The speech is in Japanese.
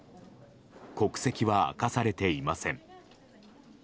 国籍は明かされていません。